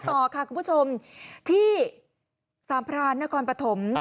ต่อค่ะคุณผู้ชมที่สัมภาษณ์นักคอนปฐม